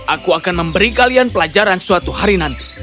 aku akan memberi kalian pelajaran suatu hari nanti